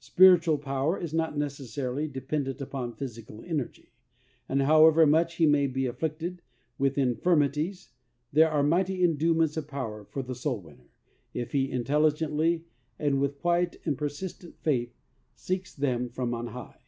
Spiritual power is not necessarily dependent upon physical energy, and how ever much he may be afflicted with in firmities, there are mighty enduements of power for the soul winner if he intel ligently and with quiet and persistent faith seeks them from on high.